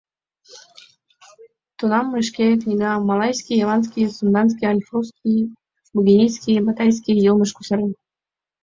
Тунам мый шке книгам малайский, яванский, сунданский, альфурский, бугинейский, баттайский йылмыш кусарем...